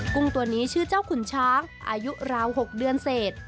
กุ้งตัวนี้ชื่อเจ้าขุนช้างอายุราว๖เดือนเศษ